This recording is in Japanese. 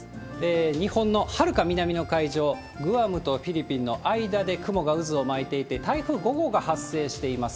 日本のはるか南の海上、グアムとフィリピンの間で雲が渦を巻いていて、台風５号が発生しています。